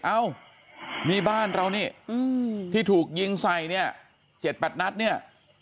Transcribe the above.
เอ้านี่บ้านเรานี่ที่ถูกยิงใส่เนี่ย๗๘นัดเนี่ย